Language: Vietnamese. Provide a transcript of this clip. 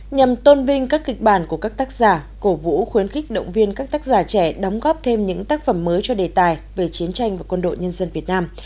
nhằm tôn vinh các kịch bản của các tác giả cổ vũ khuyến khích động viên các tác giả trẻ đóng góp thêm những tác phẩm mới cho đề tài về chiến tranh và quân đội nhân dân việt nam